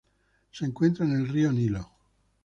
Se encuentra en el río Nilo.